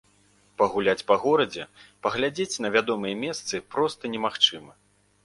Пагуляць па горадзе, паглядзець на вядомыя месцы проста немагчыма.